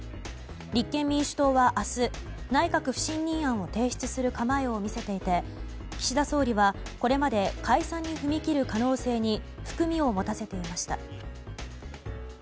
立憲民主党は明日内閣不信任案を提出する構えを見せていて岸田総理は解散に踏み切る可能性に含みを持たせていました。